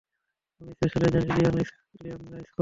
আমি special agent Iliana Scott.